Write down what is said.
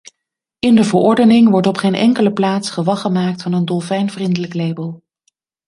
In de verordening wordt op geen enkele plaats gewag gemaakt van een dolfijnvriendelijk label.